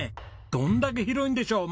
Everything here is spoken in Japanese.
どんだけ広いんでしょう？